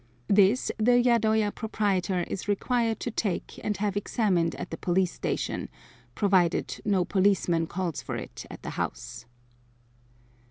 This the yadoya proprietor is required to take and have examined at the police station, provided no policeman calls for it at the house.